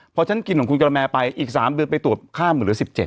พอฉันกินของคุณกระแมไปอีกสามเดือนไปตรวจค่าหมื่นหรือสิบเจ็ด